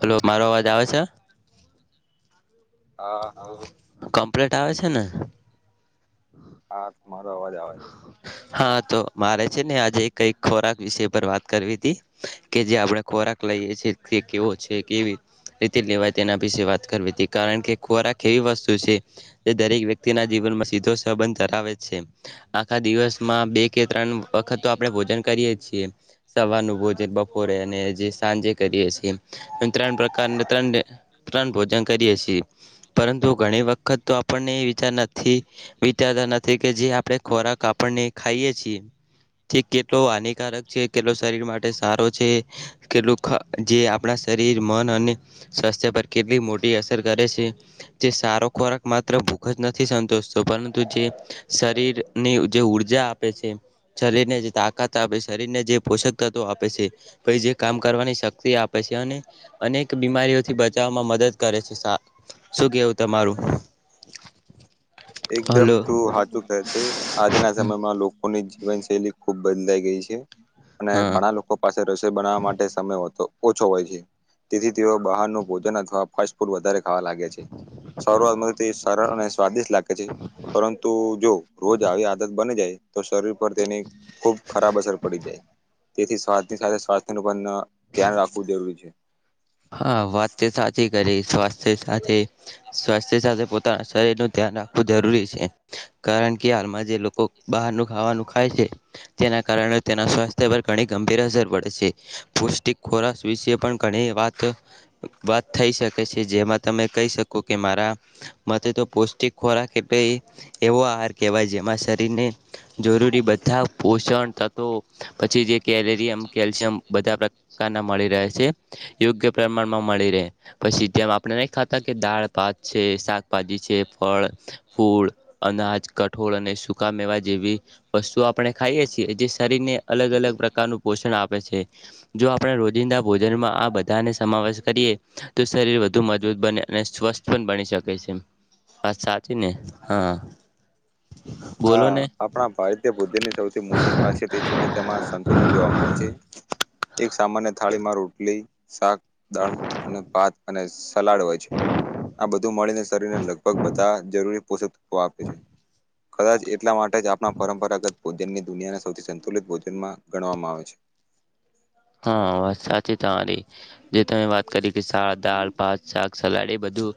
Hello મારો અવાજ આવે છે હા કમ્પ્લીટ આવે છે ને હા મારો અવાજ આવે હા તો મારે છે ને આજે કઈ ખોરાક વિષ પર વાત કરવી હતી કે જે આપણે ખોરાક લઈએ છેએ કે કેવો છે કેવી રી લેવાય તેના વિશે વાત કરવી હતી કારણ કે ખોરાક એવી વસ્તુ છે જે, દરેક વ્યક્તિના માં સીધો સબંધ ધરાવે છે આખા દિવસમાં બે કે ત્રણ વખત તો આપડણે ભોજન કરીએ છીએ સવારનું ભોજન બપોરે અને જે સાંજે કરીએ છીએ ત્રણ પ્રકાર ત્રણ. તને ત્રણ ભોજન કરીએ છીએ પરંતુ ઘણી વખત તો આપણને એ વિચાર નથી વિચાર નથી કે જે આપણે ખોરાક આપણને ખાઈએ છીએ જે કેટલો હાનિકારક છે કેટલો શરીર માટે સારો છે કેટલું જે આપણા શરીર મન અને સ્વાસ્થ્ય પર કેટલી મોટી અસર કરે છે. જે, સારો ખોરાક માત્ર ભૂખ જ નથી સંતોષતો પરંતુ જે શરીરની જે ઉર્જા આપે છે શરીરને જે તાકાત આપે છે શરીરને જે પોષક તત્વ આપે છે પછ જે કામ કરવાની શક્તિ આપે છે છે અને અનેક બીમારીઓથી બચાવવામાં મદદ કરે છે સા શું કેવું તમારું એકદમ હલો તું હાચું કે આજના સમયમાં લોકોની જીવનશૈલી ખુબ બદલાઈ ગઈ છે. અને હા ઘણા લોકો પાસે રસોઈ બનાવવા માટે સમય હતો ઓછો હોય છે તેથી તેઓ બહારનું ભોજન અથવા ફાસ્ટ ફૂડ વધારે ખાવા લાગે છે. શરૂઆતમ તે સરળ અને સ્વાદિષ્ટ લાગે છે. પરંતુ જો રોજ આવી આદત બની જાય તો શરીર પર તેની ખૂબ ખરાબ અસર પડી જાય. તેથી સ્વાથની સાથે સ્વાસ્થ્યનું પન અ ધ્યાન રાખવું જરૂરી છે. હા વાત તે સાચી કરી સ્વાસ્થ્ય સાથે સ્વાસ્થ્ય સાથે પો શરીર નું ધ્યાન રાખવું જરૂરી છે કારણ કે હાલમાં જે લોકો બહારનું ખાવાનું ખાય છે. તેના કારણે તેના સ્વાસ્થ્ય પર ઘણી ગંભીર અસર પડે છે પૌષ્ટિક ખોરાક વિશે પણ ઘણી વાત વાત થઈ શકે છે જેમાં તમે કહી શકો કે મારા મતે તો પૌષ્ટિક ખોરાક એટલે એવો આહાર કહેવાય જેમાં શરીરને જરૂરી બધા પોષણ તત્વો પછી જે કેલેરિયમ, કેલ્શિયમ બધા પ્રકારના મળી રહે છે. યોગ્ય પ્રમાણમાં મળી રહે પછી જેમ આપણે નહી ખાતા કે દાળ ભાત છે શાકભાજી છે. ફળ ફૂળ અનાજ કઠોળ અને સુકા મેવા જેવી વસ્તુ આપણે ખાઈએ છી જે શરીરને અલગ અલગ પ્રકારનું પોષણ આપે છે જો આપણા રોજિંદા ભોજનમાં આબ ધા સમાવેશ કરીએ તો શરીર વધુ મજબૂત બને અને સ્વસ્થ પણ બની શકે છે. વાત સાચી ને હા બોલો હા ને આપણા ભારતીય ભુજન ની સૌથી મોટી ખાસિયત એ છે કે તેમાં સંતુલન જોવા મળે છે. એક સામાન્ય થાળીમાં રોટલી શાક દાળ અને ભાત અને સલાડ હોય છે. આ બધું મળીને શરીરને લગભગ બધા જરૂરી પોષક તત્વો આપે છે. કદાચ એટલા માટે જ આપણા પરંપરાગત ભોજનની દુનિયાને સૌથી સંતુલિત ભોજનમાં ગણવામાં આવે છે. [inaudible] હા સાચી તમારી જે તમે વાત કરી કે સાળ, દાળ-ભાત, શાક, સલાડ એ બધ જો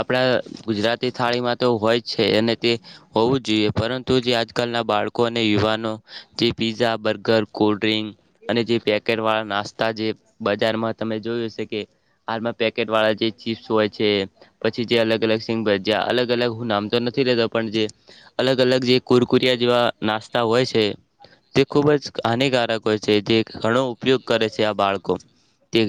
આપણા ગુજરાત તે થાળીમાં તો હોય જ છે અને તે હોવું જ જોઈએ પરંતુ જે આજકાલના બાળકો અને યુવાનો જે પીઝા, બર્ગર, કોલ્ડ્રિંક અને જે પે કેટ વાળા નાસ્તા જે બજારમાં તમે જોયુ હશે કે હાલમાં પેકેટ વાળા જે ચીપ્સ હોય છે પછી જે અલગ અલગ સિંગ ભજ જ્યાં અલગ અલગ હું નામ તો નથી લેતો પણ જે અલગ અલગ જે કુરકુરિયા જેવા નાસ્તા હોય છે તે ખુબ જ હાનિકારક છે જે ઘણો ઉપયોગ કરે છે આ બાળકો તે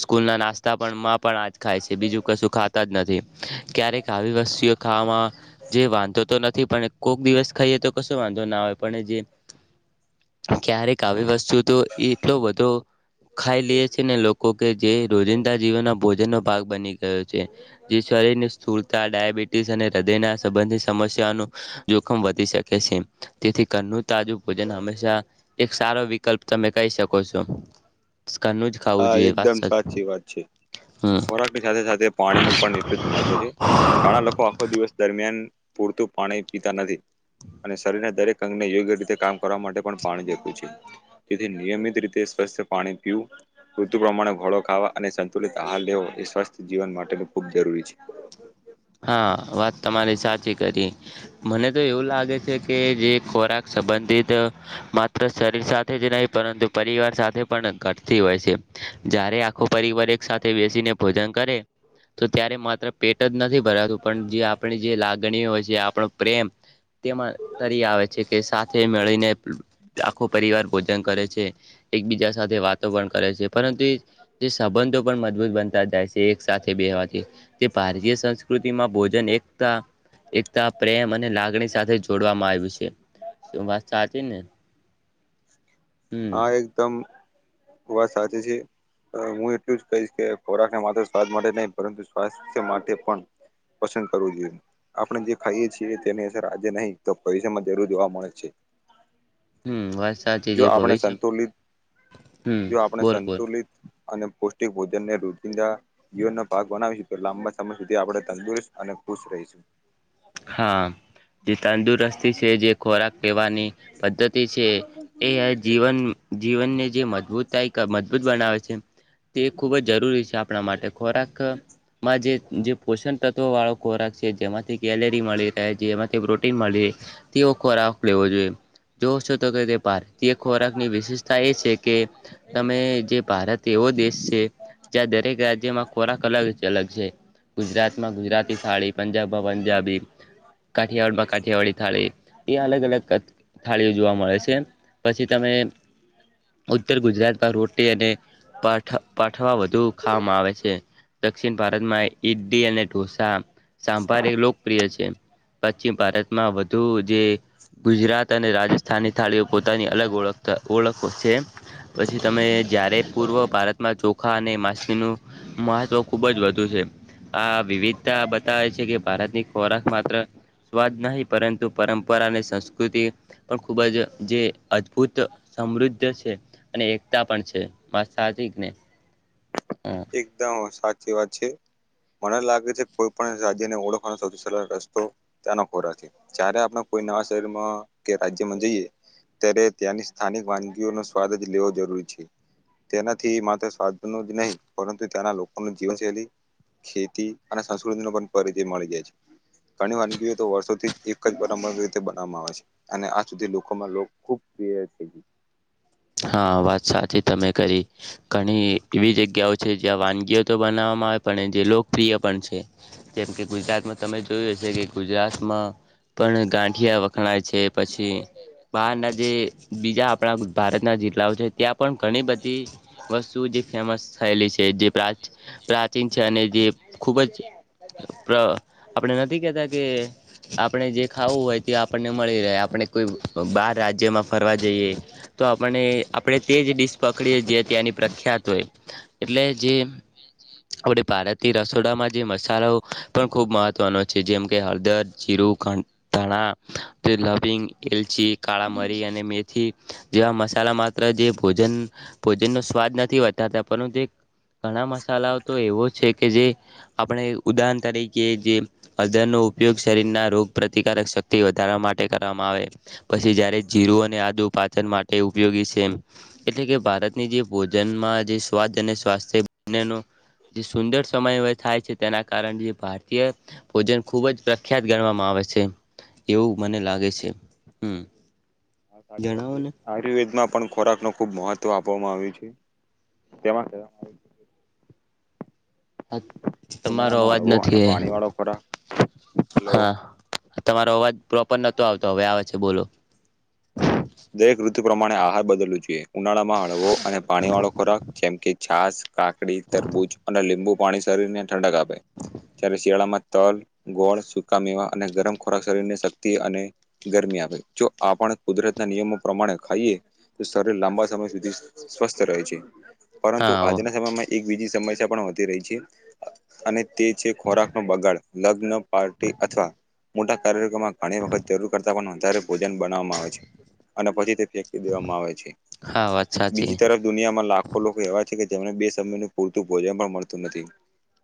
સ્કૂલ ના નાસ્તા પણ માં પણ આજ ખાય છે બીજું કશું ખાતા જ નથી ક્યારે આ આવી વસ્તુઓ ખાવામાં જે વાંધો તો નથ પણ કોઈક દિવસ ખાઈએ તો કશો વાંધો ના આવે પણ જે ક્યારેક આવી વસ્ત [unintelligible] તો ઈ ખાઈ લીએ છે ને લોકો કે જે રોજિંદા જીવન ના ભોજન નો ભાગ બની ગયો છે જે શરીરની સ્થૂળતા ડાયાબિટીસ અને હૃદયના સંબંધિત સમસ્યાનો જો ખમ વધી શકે છે તેથી ઘરનું તાજું ભોજન હંમેશા એક સારો વિકલ્પ તમે કઈ શકો છો ઘરનું જ ખાવું હા જોઈએ વાત એકદમ સાચી વાત છે. હમ ખોરાક ની સાથે સાથે પાણીનું પણ એટલું જ મહત્વ છે ઘણા લોકો આખો દિવસ દરમિયાન પૂરતું પાણી પીતા નથી અને શરીરને દરેક અંગને યોગ્ય રીતે કામ કરવા માટે પણ પાણી જરુર છે [inaudible] તેથી નિયમિત રીતે સ્વસ્થ પાણી પીવું ઋતુ પ્રમાણે ફળો ખાવા અને સંતુલિત આહાર લેવો એ સ્વાસ્થ્ય જીવન માટેનું ખૂબ જરૂરી છે. હા વાત તમારી સાચી કરી મને તો એવું લાગે છે કે જે ખોરાક સંબંધિત માત્ર શરીર સાથે જ નહીિ પરંતુ પરિવાર સાથે પણ ઘટતી હોય છે. જ્યારે આખો પરિવાર એક સાથે બેસીને ભોજન કરે તો ત્યારે માત્ર પેટ જ નથી ભરાતું પણ જે આપણી જે લાગણી હોય છે આપણો પ્રેમ તેમાં તરી આવે છે કે સાથે મેળીને આખો પરિવાર ભોજન કરે છે એકબીજા સાથે વાતો પણ કરે છે પરંતુ એ, જે સંબંધો પણ મજબૂત બનતા જાય છે એક સાથે બેવાથી તે ભારતીય સંસ્ સંસ્કૃતિમાં, ભોજન, એકતા, એકતા, પ્રેમ અને લાગણી સાથે જોડવામાં આયું સે સુ વાત ચાચી ને હમ હા એકદમ વાત સાચી છેસ અ હું એટલું જ કહીશ કે ખોરાક ને માત્ર સ્વાદ માટે નહીં પરંતુ સ્વાસ્થ્ય માટે પણ પસંદ કરવું જોઈએ આપણે જે ખાઈએ છીએ તેની અસર આજે નહી તો ભવીષયમાં જરૂર જોવા મળે છે. હ હમ વાત સાચી જે ભવિ સંતુલિત જો આપણે બોલ બોલ સંતુલિત અને પૌષ્ટિક ભોજનને રોજીદા જીવનનો ભાગ બનાવીશું તો લાંબા સમય સુધી આપણે તંદુરસ્ત અને ખુશ રહીશું. હા. જે તંદુરસ્તી છે, જે ખોરાક લેવાની પદ્ધતિ છે, એ જીવન જીવનને જે મજબૂતાય મજબૂત બનાવે છે, તે ખૂબ જ જરૂરી છે આપણા માટે ખોરાકમાં જે પોષણ તત્વો વાળો ખોરાક છે, જેમાંથી કેલેરી મળી રે જેમાંથી પ્રોટીન મલી તેવો ખોરાક લેવો જોઈએ. જોશો તો [unintelligible] ભારતીય ખોરાકની વિશેષતા એ છે, કે તમે જે ભારત એવો દેશ છે. જ્યાં દરેક રાજ્યમાં ખોરાક અલગ જ અલગ છે, ગુજરાતમાં ગુજરાતી થાળી, પંજાબમાં પંજાબી, કાઠિયાવાડી થાળી એ અલગ અલગ થાળીઓ જોવા મળે છે. પછી તમે ઉત્તર ગુજરાતમાં રોટલી અને પાઠ પાઠવા વધુ ખાવામા આવે છે, દક્ષિણ ભારતમાં ઈડલી અને ઢોસા સાં ભારે લોકપ્રિય છે, પશ્ચિમ ભારતમાં વધુ જે ગુજરાત તા ને અને રાજસ્થાની થાળીઓ પોતાની અલગ ઓળખતા ઓળખો છે, પછી તમે જયારે પૂર્વ ભારતમાં ચો- ખા અને માછલીનું મહત્વ ખુબ જ વધુ છે, આ વિવિધતા બતાવે છે કે, ભારતની ખોરાક માત્ર સ્વાદ નહી પરંતુ પરંપરા અને સંસ્કૃતિ પણ ખૂબ જ જે અદભુત સમૃદ્ધ છે, અને એ કતા પણ છે, વાત સાચી કને એકદમ સાચી વાત છે. મને લાગે છે, કોઈ પણ રાજ્યને ઓળખવાનો સૌથી [unintelligible] રસ્તો ત્યાના ખોરાથી જ્યારે આપણે કોઈ નાવા શહેરમાં કે રાજ્યમાં જઈએ. ત્યારે ત્યાંની સ્થાનિક વાનગીઓનો સ્વાદ જ લેવો જરૂરી છે. તેનાથી માત્ર સ્વાદ નો જ નહી પરંતુ ત્યાંના લોકોનું જીવનશૈલી, ખેતી અને સંસ્કૃતિનો પણ પરિચય મળી જાય છે. ઘણી વાનગીઓ તો વર્ષોથી એક જ પર રીતે બનાવામાં આવે છે, અને આ સુધી લોકોમાં લો ખૂબ [inaudible] હા વાત સાચી તમે કરી ઘણી એવી જગ્યાઓ છે, જ્યાં વાનગીઓ તો બના મા આવે પણ જે લોકપ્રિય પણ છે, જેમ કે ગુજરાતમાં તમે જોયું હશે કે ગુજરાતમાં પણ ગાંઠિયા વખણાય છે, પછી બહારના જે બીજા આપણા ભારતના જિલ્લાઓ છે, ત્યાં પણ ઘણી બધી વસ્તુ જે ફેમસ થયેલી છે, જે પ્રા પ્રાચીન છે, અને જે ખૂબ જ પર આપણે નથી કેતા કે આપણે જે ખાવું હોય તે આપણને મળી રહે આ આપણે કોઈ બાર રાજ્યમાં ફરવા જઈએ તો આપણને આપણે તે જ ડીશ પકડીએ જે ત્યાંની પ્રખ્યાત હોય એટલે જે આ બધી ભારત તી રસોડામાં જે મસલાઓ પણ ખુબ મહત્વનો છે, જેમ કે હળદર જીરું ધ ધાણા તે લવીગં એલચી કાળા મરી અને મેથી જેવા મસાલા માત્ર જે ભોજન ભોજનનો સ્વાદ નથી હોતા પરંતુ એ ઘણા મસાલાઓ તો એવો છે, કે જે આપણે ઉદાહણ તરીકે જે હળદર નો ઉપયોગ શરીરના રોગ પ્રતિકારક શક્તિ વધારવા માટે કરવામાં આવે પછી જ્યારે જીરું અને આદુ તો પાચન માટે એ ઉપયોગી છે એમ એટલે કે ભારતની જે ભોજનમાં જે સ્વાદ અને સ્વાસ્થ્ય બનેનો, જે સુંદર સમય થાય છે તેના કારણે ભારતીય ભોજન ખુબ જ પ્રખ્યાત ગણવામાં આવે છે એવું મને લાગે છે. હમ હા સાચી વાત જણાવો છે ને આયુર્વેદ માં પણ ખોરાક ન ખુબ મહત્વ આપવામાં આવ્યું છે તેમાં કે તમારો ઉનાળામાં અવાજ હળવો અને નથી એ પાણી વાળો ખોરાક લો હા તમારો અવાજ પ્રોપર નતો આવતો હવે આવે છે બોલો દરેક ઋતુ પ્રમાણે આહાર બદલવું જોઈએ ઉનાળામાં હળવો અને પાણી વાળો ખોરાક જેમ કે છાસ કાકડી તરબૂજ અને લીંબુ પાણી શરીર ને ઠંડક આપે જ્યારે શિયાળામાં તલ ગોળ સુકા મેવા અને ગરમ ખોરાક શરીર ની શક્તિ અને ગરમી આવે જો આપ કુદરતી ના નિયમો પ્રમાણે ખાઈએ તો શરીર લાંબા સમય સુધી સ્વસ્થ રહે છે પરંતુ હા આજના સમયમાં એક બીજી સમસ્યા પણ વધતી રહી છે અને તે છે ખોરાક નો બગાડ લગ્ન પાર્ટી અથવા મોટા કાર્ય ઘણી વખત જરૂર કરતા પણ વધારે ભોજન બનાવામાં આવે છે અને પછી ફે દેવામાં આવે છે હા વાત સાચી બીજી તરફ દુનિયામાં લાખો લોકો એવા છે કે જેમને બે સમય ન પૂરતું ભોજન પણ મળતું નથી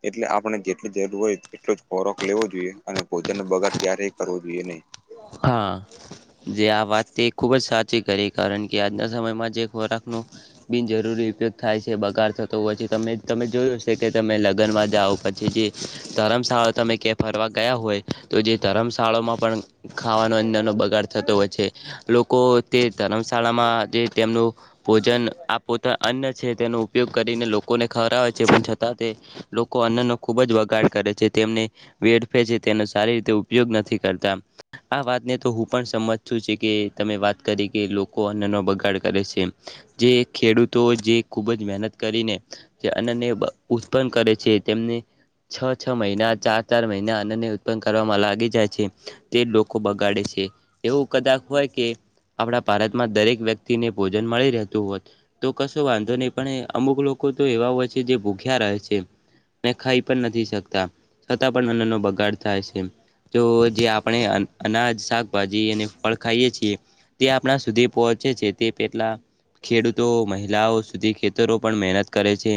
એટલે આપણે જેટલી જરૂર હોય એટલો જ ખોરાક લેવો જોઈએ અને ભોજન ન બગડ ક્યારેય કરવો જોઈએ નહી હા જે આ વાત છે ખુબ જ સાચી કરી કારણ કે આજના સમયમાં જ ખોરાકનો બિનજરૂરી ઉપયોગ થાય છે. બગાડ થતો હોયછી તમે તમે જોયું હશે કે તમે લગ્નમાં જાઓ પછી જે, ધર્મશાળાઓ તમે ક્યાંય ફરવા ગયા હોય તો જે ધર્મશાળામાં પણ, ખાવાનો અંદરનો બગાડ થતો હોય છે લોકો તે ધર્મશાળામાં જે તેમનું ભોજન આ પોતા અન છે તેનો ઉપયોગ કરીને લોકો લોકોને ખવરા આવે છે પણ છતાં તે લોકો અનનો ખૂબ જ વગાડ કરે છે તેમને વેડફે છે તેનો સારી રીતે ઉપયોગ નથી કરતા આ વાતને તો હું પણ સમજ છું છે કે તમે વાત કરી કે લોકો અન્નનો બગાડ કરે છે. જે ખેડૂતો જે ખુબ જ મહેનત કરીને અનેને ઉત્પન કરે છે. તેમને છ છ મહિના ચાર ચાર મહિના અનને ઉત્પન કરવામાં લાગી જાય છે. તે લોકો બગાડે છે એવું કદાચ હોય કે આપણા ભારતમાં દરેક વ્યક્તિને ભોજન મળી રહેતું હોત તો કશો વાંધો નહીં પણ અમુક લોકો. લોકો તો એવા હોય છે જે ભૂગ્યા રહે છે. મે ખાઈ પણ નથી શકતા છતાં પણ મનો બગાડ થાય છે આપણે અનાજ શાકભાજી અને ફળ ખાઈએ છીએ તે આપણા સુધી પહોંચે છે તે પેટલા ખેડૂતો મહિલાઓ સુધી ખેતરો પણ મહેનત કરે છે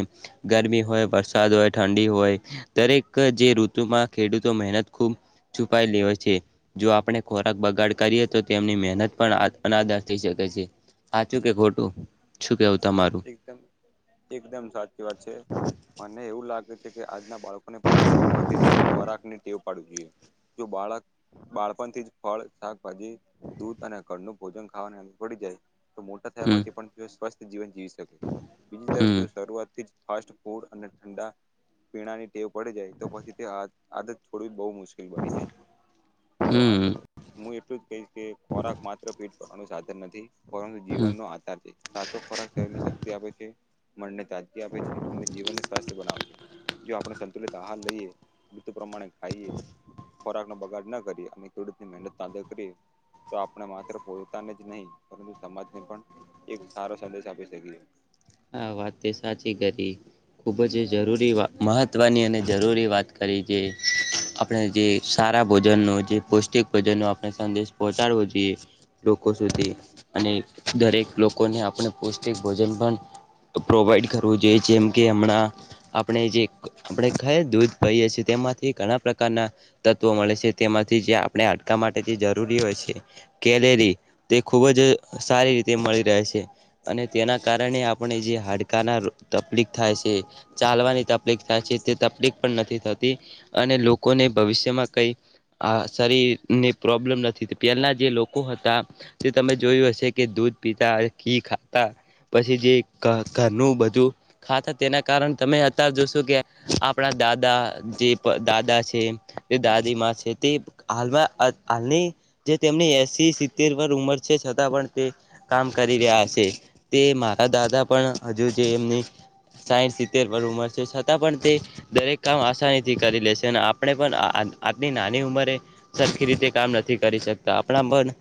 ગરમી હોય વરસાદ હોય ઠંડી, હોય દરેક જે ઋતુમાં ખેડૂતો મહેનત ખૂબ છુપાઈ લેવા છે જો આપણે ખોરાક બગાડ કરીએ તો તેમની મહેનત પણ અનાદાર થઈ શકે છે. આચુંકે ઘોટ એકદમ એકદમ સાચી વાત છે મને એવું લાગે છે કે આજના બાળકોને પણ નાની ઉંમરથી જ ખોરાક ની ટેવ પાડવું જોઈએ જો બાળક બાળપણ થી જ ફળ શાકભાજી દૂધ અને ફડનું ભોજન ખાવાને અ પડી જાય તો મોટા થયા હમ પછી પણ તે સ્વસ્થ જીવન જીવી શકે બીજી તરફ હમ જો શરૂઆતથી જ ફાસ્ટ ફૂડ અને ઠંડા પીણાની ટેવ પડી જાય તો પછી તે આદત છોડી બહુ મુશ્કેલ બની જાય તો હમ હું એટલું જ કહીશ કે ખોરાક માત્ર પી સાધન નથી પરંતુ હમ જીવનનો આધાર છે સાચો ખોરાક શરીરને શક્તિ આપે છે મનને તાજગી આપે છે અને જીવન સ્વાસ્થ બનાવે છે. જો આપણે સંતુલિત આહાર લઈએ મૃત્યુ પ્રમાણે ખાઈએ ખોરાક નો બગાડ ન કરીએ અમે ખેડુતની મહેનત કદર કરી. તો આપણે માત્ર પોતાને જ નહીં પરંતુ સમાજને પણ એક સારો સંદેશ આપી શકીએ. હા વાત તે સાચી કરી ખૂબ જ જરૂરી મહત્વની અને જરૂરી વાત કરી છે આપણે જે સારા ભોજનનો જે પૌષ્ટિક ભોજન ન આપણે સંદેશ પહોચાડવો જોઈએ લોકો સુધી અને દરેક લોકોને આપણે પૌષ્ટિક ભોજન પણ પ્રોવાઈડ કરવું જોઈએ જેમ કે હમણાં આપણે જે આપણે ખ દૂધ પઈએ છીએ તેમાંથી ઘણા પ્રકારના તત્વો મળે છે તેમાંથી જે આપણે હટક માટે જે જરૂરી હોય છે કેલેરી તે ખુબ જ સારી રીતે મળી અને તેના કારણે આપણે જે હાડકાના તકલીફ થાય છે ચાલવાની તકલીફ થ છે તે તકલીફ પણ નથી થતી અને લોકોને ભવિષ્યમાં કઈ આ શરીર ને પ્રોબ્લેમ નથી પહેલાના જે લોકો હતા તે તમે જોયું હશે. કે દૂધ પીતા ઘી ખાતા પછી જે ઘરનું બધું ખાતા તેના કારણે તમે અતાર જોશો કે, આપણા દાદા જે દાદા છે તે દાદીમાં છે તે હાલમાં હાલની જે તેમની થી સિતતેર વર ઉંમર છે છતાં પણ તે કામ કરી રહ્યા હશે તે મારા દાદા પણ હજુ જે એમની સાઈઠ સિતતેર પર ઉમરશે છતાં પણ તે દરેક કામ આસાનીથી કરી લે છે અને આપણે પણ આપની નાની ઉંમરે સરખી રીતે કામ નથી કરી શકતા આપણા પણન